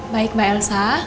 baik mbak elsa